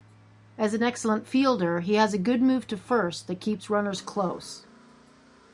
An excellent fielder, he has a good move to first that keeps runners close.